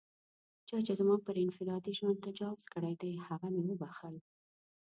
چا چې زما پر انفرادي ژوند تجاوز کړی دی، هغه مې و بښل.